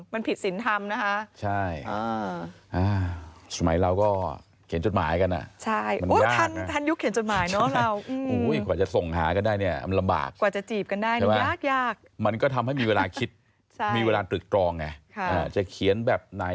มันผิดสินทำนะคะ